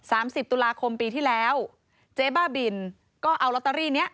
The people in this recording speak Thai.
สิบตุลาคมปีที่แล้วเจ๊บ้าบินก็เอาลอตเตอรี่เนี้ย